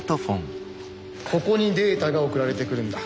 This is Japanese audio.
ここにデータが送られてくるんだ。